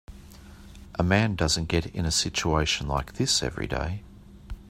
A man doesn't get in a situation like this every day.